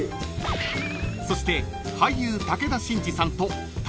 ［そして］